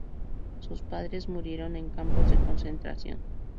Sus padres murieron en campos de concentración.